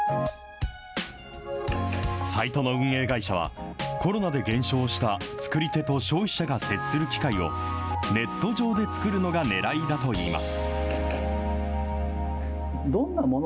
サイトの運営会社は、コロナで減少した作り手と消費者が接する機会を、ネット上で作るのがねらいだといいます。